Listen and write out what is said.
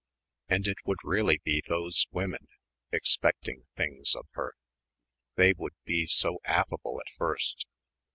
And it would really be those women, expecting things of her. They would be so affable at first.